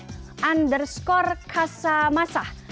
underscore kasa masah